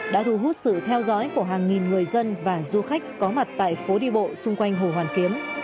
đã thu hút sự theo dõi của hàng nghìn người dân và du khách có mặt tại phố đi bộ xung quanh hồ hoàn kiếm